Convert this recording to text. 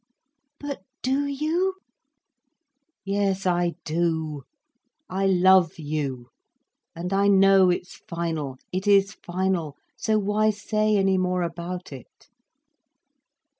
"But do you?" "Yes, I do. I love you, and I know it's final. It is final, so why say any more about it."